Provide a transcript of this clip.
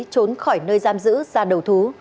trốn khỏi nơi giam giữ ra đầu thú